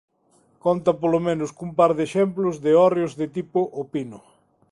Conta polo menos cun par de exemplos de hórreos de tipo O Pino.